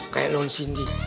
kayak loan cindy